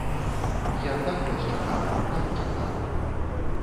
Я так вас чакала, так чакала.